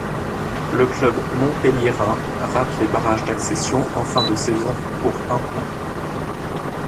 Le club montpelliérain rate les barrages d'accession en fin de saison pour un point.